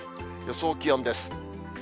予想気温です。